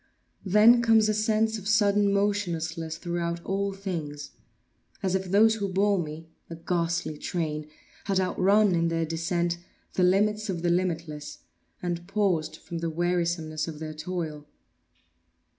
Then comes a sense of sudden motionlessness throughout all things; as if those who bore me (a ghastly train!) had outrun, in their descent, the limits of the limitless, and paused from the wearisomeness of their toil.